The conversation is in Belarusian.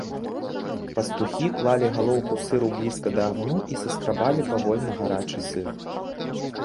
Пастухі клалі галоўку сыру блізка да агню і саскрабалі павольна гарачы сыр.